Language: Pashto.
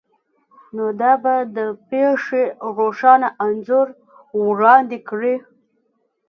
نو دا به د پیښې روښانه انځور وړاندې کړي